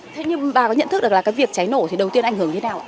thế nhưng bà có nhận thức được là cái việc cháy nổ thì đầu tiên ảnh hưởng như thế nào